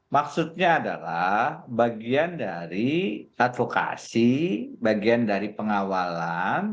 maksudnya adalah bagian dari advokasi bagian dari pengawalan